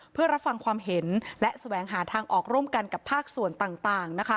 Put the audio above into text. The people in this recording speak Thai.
เพื่อรับฟังความเห็นและแสวงหาทางออกร่วมกันกับภาคส่วนต่าง